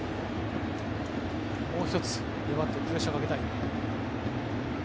もう１つ粘ってプレッシャーをかけたい。